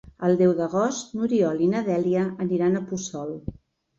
El deu d'agost n'Oriol i na Dèlia aniran a Puçol.